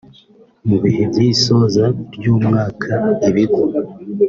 Mu bihe by’isoza ry’umwaka ibigo